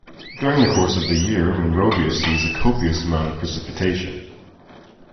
During the course of the year Monrovia sees a copious amount of precipitation.